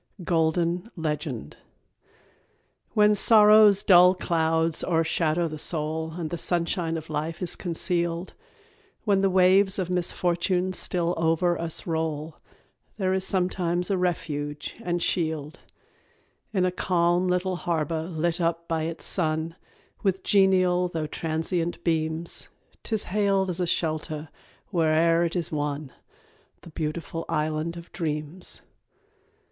Golden Legend. When sorrow's dull clouds o'ershadow the soul, And the sunshine of life is concealed, When the waves of misfortune still over us roll, There is sometimes a refuge and shield, In a calm little harbour lit up by its sun, With genial though transient beams, 'Tis hailed as a shelter whene'er it is won The Beautiful Island of Dreams.